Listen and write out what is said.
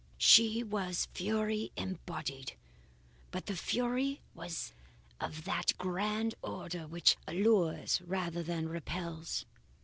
"She was Fury embodied; but the fury was of that grand order which allures rather than repels.